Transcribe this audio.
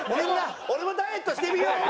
「俺もダイエットしてみよう！」。